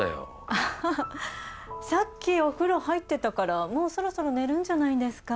アハハさっきお風呂入ってたからもうそろそろ寝るんじゃないんですか。